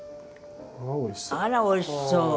あらおいしそう。